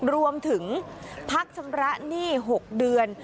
รวมถึงพักชำระหนี้๖เดือน